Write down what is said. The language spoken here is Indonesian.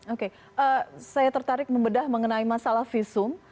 oke saya tertarik membedah mengenai masalah visum